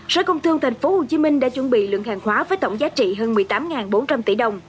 sở công thương tp hcm đã chuẩn bị lượng hàng hóa với tổng giá trị hơn một mươi tám bốn trăm linh tỷ đồng